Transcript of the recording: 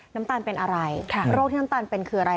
น้ำตาลเป็นอะไรโรคที่น้ำตาลเป็นคืออะไร